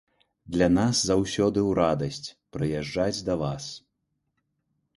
Для нас заўсёды ў радасць прыязджаць да вас.